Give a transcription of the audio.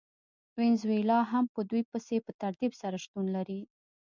وینزویلا هم په دوی پسې په ترتیب سره شتون لري.